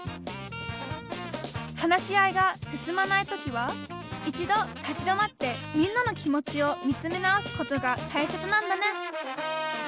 話し合いが進まない時は一度立ち止まってみんなの気持ちを見つめ直すことがたいせつなんだね。